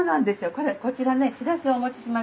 これこちらねチラシをお持ちしましたので。